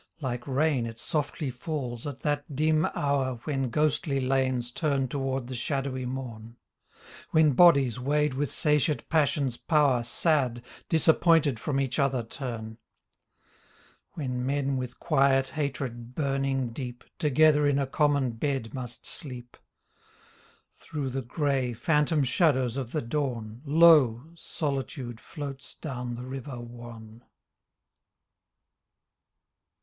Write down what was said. Like rain it softly falls at that dim hour When ghostly lanes turn toward the shadowy morn; When bodies weighed with satiate passion's power Sad, disappointed from each other turn; When men with quiet hatred burning deep Together in a common bed must sleep — Through the gray, phantom shadows of the dawn Lo ! Solitude floats down the river wan .